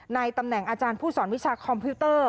ในตำแหน่งอาจารย์ผู้สอนวิชาคอมพิวเตอร์